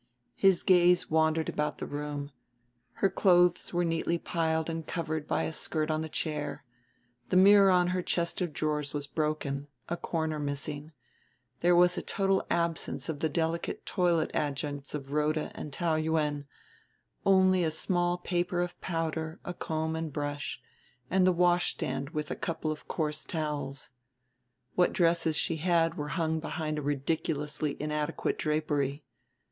His gaze wandered about the room: her clothes were neatly piled and covered by a skirt on a chair; the mirror on her chest of drawers was broken, a corner missing; there was a total absence of the delicate toilet adjuncts of Rhoda and Taou Yuen only a small paper of powder, a comb and brush, and the washstand with a couple of coarse towels. What dresses she had were hung behind a ridiculously inadequate drapery.